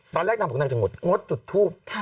ตอนแรกน้ำหนึ่งจะงดจุดทูป